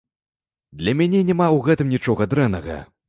Для мяне няма ў гэтым нічога дрэннага.